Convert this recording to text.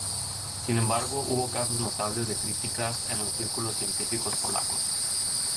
Sin embargo, hubo casos notables de críticas en los círculos científicos polacos.